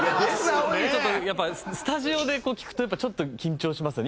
やっぱスタジオで聴くとやっぱちょっと緊張しますよね。